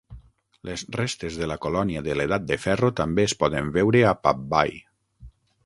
Les restes de la colònia de l'Edat de Ferro també es poden veure a Pabbay.